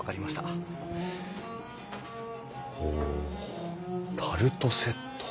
ほうタルトセット。